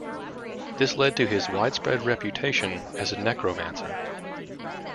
This led to his widespread reputation as a necromancer.